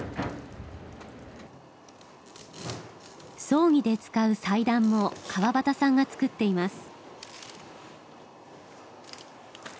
葬儀で使う祭壇も川端さんが作っています。